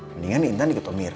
mendingan intan ikut om mirza